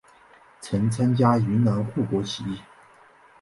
曾参加云南护国起义。